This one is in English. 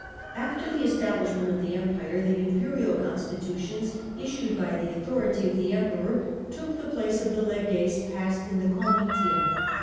After the establishment )f the Empire, the Imperial constitutions, issued by the authority of the Emperor, took the place of the leges passed in the comitia.